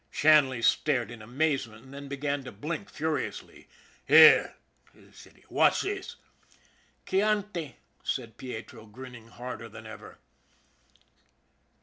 Shanley stared in amazement, and then began to blink furiously. " Here !" said he. " What's this ?"" Chianti," said Pietro, grinning harder than ever.